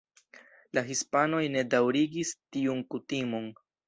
La hispanoj ne daŭrigis tiun kutimon.